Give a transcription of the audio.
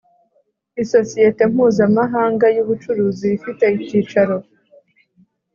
Isosiyete mpuzamahanga y ubucuruzi ifite icyicaro